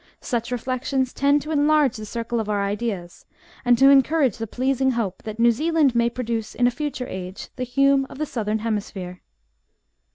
Such reflections tend to enlarge the circle of our ideas, and to encourage the pleasing hope that New Zealand may produce in a future age, the Hume of the Southern hemisphere.''